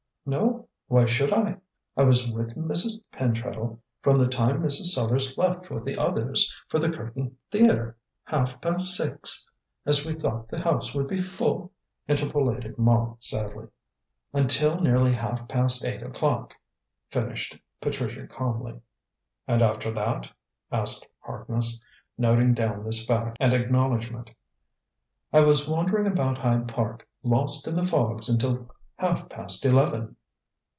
"No. Why should I? I was with Mrs. Pentreddle from the time Mrs. Sellars left with the others for the Curtain Theatre " "Half past six, as we thought the house would be full," interpolated Ma sadly. "until nearly half past eight o'clock," finished Patricia calmly. "And after that?" asked Harkness, noting down this fact and acknowledgment. "I was wandering about Hyde Park, lost in the fogs until half past eleven."